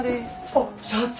あっ社長！